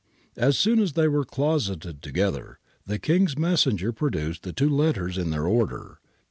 As soon as they were closeted together, the King's messenger pro duced the two letters in their order.